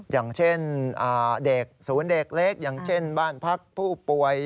อย่างเช่นเด็กศูนย์เด็กเล็กอย่างเช่นบ้านพักผู้ป่วย